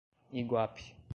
Iguape